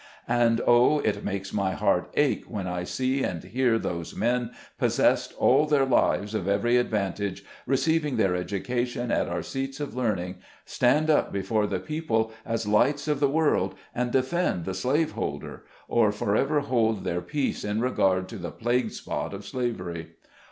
And Oh ! it makes my heart ache, when I see and hear those men, possessed, all their lives, of every advantage, receiving their education at our seats of learning, stand up before the people, as lights of the world, and defend the slave holder, or forever hold their peace in regard to the plague spot of slavery.